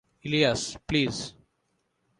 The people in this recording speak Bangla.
ইলিয়াস, প্লিজ!